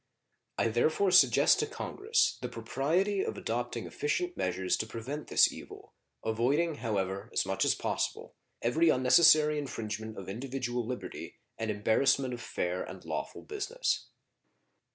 I therefore suggest to Congress the propriety of adopting efficient measures to prevent this evil, avoiding, however, as much as possible, every unnecessary infringement of individual liberty and embarrassment of fair and lawful business.